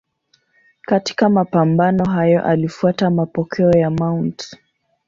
Katika mapambano hayo alifuata mapokeo ya Mt.